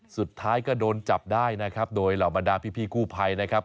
สุดท้ายก็โดนจับได้นะครับโดยเหล่าบรรดาพี่กู้ภัยนะครับ